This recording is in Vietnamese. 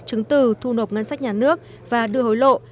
chứng từ thu nộp ngân sách nhà nước và đưa hối lộ